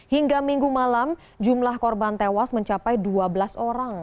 hingga minggu malam jumlah korban tewas mencapai dua belas orang